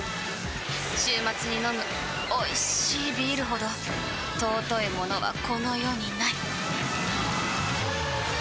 週末に飲むおいしいビールほど尊いものはこの世にない！